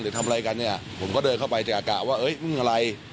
ทำอะไรกันเนี่ยผมก็เดินเข้าไปจะกะว่าเอ้ยมึงอะไร